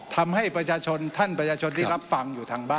ทำให้ประชาชนท่านประชาชนที่รับฟังอยู่ทางบ้าน